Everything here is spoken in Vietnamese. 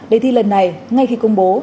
đề thi lần này ngay khi công bố